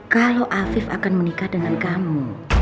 kalau afif akan menikah dengan kamu